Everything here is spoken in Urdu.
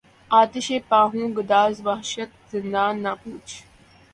آتشیں پا ہوں گداز وحشت زنداں نہ پوچھ